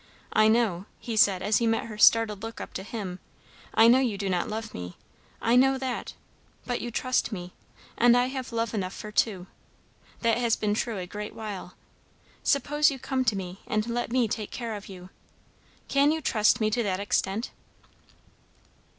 I know," he said as he met her startled look up to him, "I know you do not love me, I know that; but you trust me; and I have love enough for two. That has been true a great while. Suppose you come to me and let me take care of you. Can you trust me to that extent?"